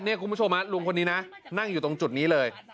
นี่กูมาโชว์มั้ยลุงคนนี้นะนั่งอยู่ตรงจุดนี้เลย